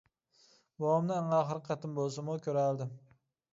بوۋامنى ئەڭ ئاخىرقى قېتىم بولسىمۇ كۆرەلمىدىم.